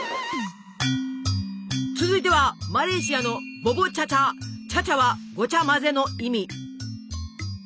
続いてはマレーシアの「チャチャ」はごちゃ混ぜの意味。